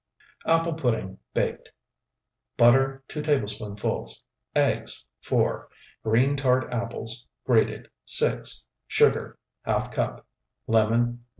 APPLE PUDDING (BAKED) Butter, 2 tablespoonfuls. Eggs, 4. Green tart apples, grated, 6. Sugar, ½ cup. Lemon, 1.